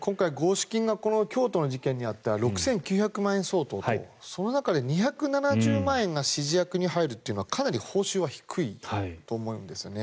今回京都の事件であった６９００万円相当とその中で２７０万円が指示役に入るのはかなり報酬が低いと思うんですね。